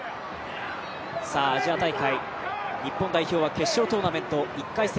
アジア大会日本代表は決勝トーナメント１回戦